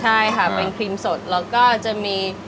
ใช่ค่ะเป็นครีมสดแล้วก็จะมี